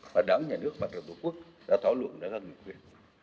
mà đảng nhà nước và đảng tổ quốc đã thỏa luận đã gần được quyết